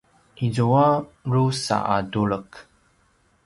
izua a drusa a tulek